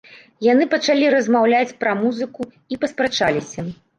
Яны пачалі размаўляць пра музыку і паспрачаліся.